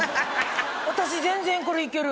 私全然これいける。